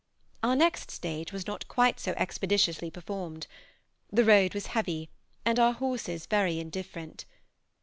Our next stage was not quite so expeditiously performed; the road was heavy, and our horses very indifferent.